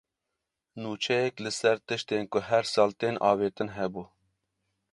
Nûçeyek li ser tiştên ku her sal tên avêtin hebû.